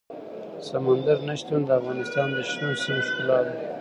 سمندر نه شتون د افغانستان د شنو سیمو ښکلا ده.